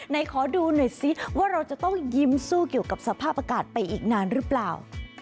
ไหนขอดูหน่อยซิว่าเราจะต้องยิ้มสู้เกี่ยวกับสภาพอากาศไปอีกนานหรือเปล่า